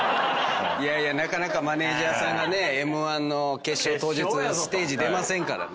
なかなかマネジャーさんがねＭ−１の決勝当日ステージ出ませんからね。